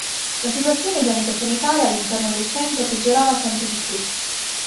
La situazione igienico-sanitaria all'interno del centro peggiorava sempre di più.